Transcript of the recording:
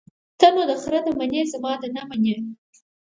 ته نو دخره ده منې او زما ده نه منې.